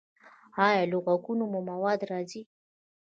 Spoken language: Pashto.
ایا له غوږونو مو مواد راځي؟